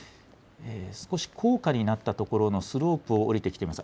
少し高架になった所のスロープを下りてきています。